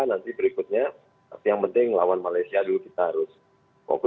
nanti berikutnya tapi yang penting lawan malaysia dulu kita harus kokoh